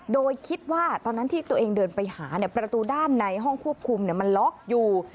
โดยคิดว่าตอนนั้นที่ตัวเองเดินไปหาประตูด้านในห้องควบคุมมันล็อกอยู่